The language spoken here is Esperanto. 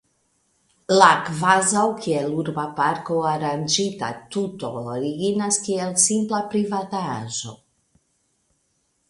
La kvazaŭ kiel urba parko aranĝita tuto originas kiel simpla privata aĵo.